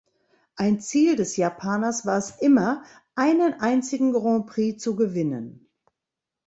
Ein Ziel des Japaners war es immer, einen einzigen Grand Prix zu gewinnen.